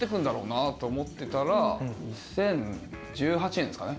２０１８年ですかね。